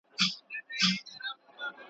څو شپې دي چي قاضي او محتسب په لار کي وینم.